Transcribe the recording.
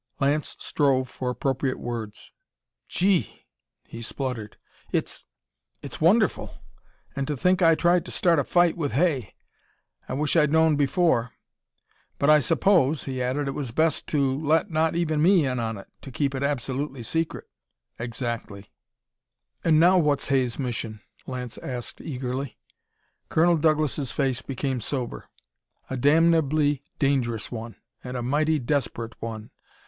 Lance strove for appropriate words. "Gee!" he spluttered. "It's it's wonderful! And to think I tried to start a fight with Hay! I wish I'd known before. But I suppose," he added, "it was best to let not even me in on it, to keep it absolutely secret." "Exactly!" "And now what's Hay's mission?" Lance asked eagerly. Colonel Douglas' face became sober. "A damnably dangerous one, and a mighty desperate one.